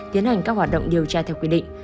tiến hành các hoạt động điều tra theo quy định